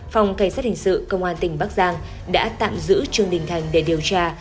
phòng cảnh sát hình sự công an tỉnh bắc giang đã tạm giữ trương đình thành để điều tra